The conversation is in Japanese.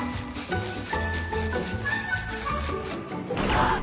あっ！